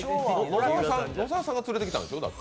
野沢さんが連れてきたんでしょ？